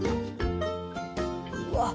うわっ